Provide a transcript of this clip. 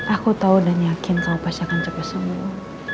aku tahu dan yakin kau pasti akan coba semua